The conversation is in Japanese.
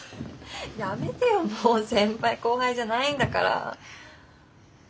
やめてよもう先輩後輩じゃないんだから。